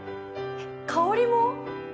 香りも？